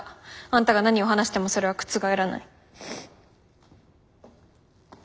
あんたが何を話してもそれは覆らない。